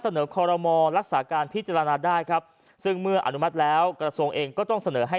คอรมอรักษาการพิจารณาได้ครับซึ่งเมื่ออนุมัติแล้วกระทรวงเองก็ต้องเสนอให้